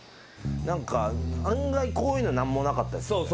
何か案外こういうの何もなかったりする。